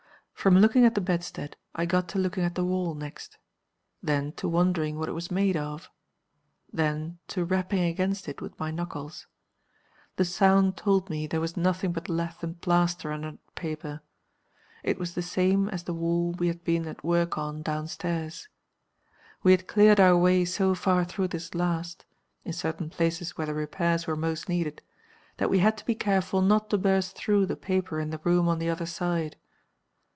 From looking at the bedstead I got to looking at the wall next. Then to wondering what it was made of. Then to rapping against it with my knuckles. The sound told me there was nothing but lath and plaster under the paper. It was the same as the wall we had been at work on down stairs. We had cleared our way so far through this last in certain places where the repairs were most needed that we had to be careful not to burst through the paper in the room on the other side.